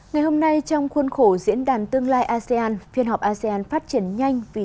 ngày hôm nay trong khuôn khổ diễn đàn tương lai asean phiên họp asean phát triển nhanh vì